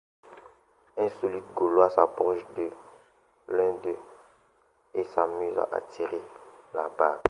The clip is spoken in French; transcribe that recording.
Un soldat gaulois s'approche de l'un d'eux et s'amuse à lui tirer la barbe.